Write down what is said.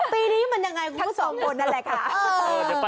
ปีนี้มันยังไงทั้งสองคนนั่นแหละค่ะ